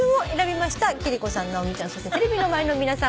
貴理子さん直美ちゃんそしてテレビの前の皆さん